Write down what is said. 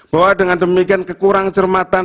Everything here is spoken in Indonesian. bahwa dengan demikian kekurang cermatan